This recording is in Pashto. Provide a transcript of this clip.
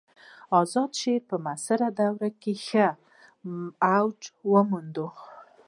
آزاد شعر په معاصره دوره کښي رواج وموند.